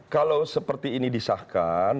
kalau seperti ini disahkan